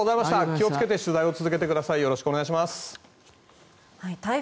気をつけて取材を続けてください。